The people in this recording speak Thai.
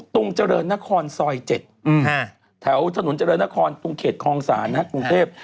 ตรงเจริญนครซอย๗แถวถนนเจริญนครตรงเขตคลองศาลกรุงเทพ